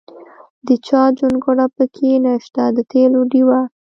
د چا جونګړه پکې نشته د تېلو ډیوه.